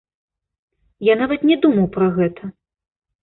Я нават не думаў пра гэта.